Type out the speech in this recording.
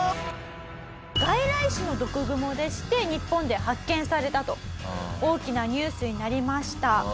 外来種の毒グモでして日本で発見されたと大きなニュースになりました。